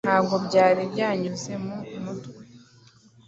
Ntabwo byari byanyuze mu mutwe